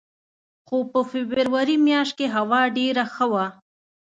خو په فبروري میاشت کې هوا ډېره ښه وه.